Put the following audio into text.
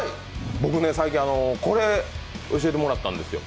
僕、最近、これ教えてもらったんですよ。